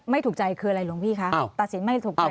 ถูกใจคืออะไรหลวงพี่คะตัดสินไม่ถูกใจ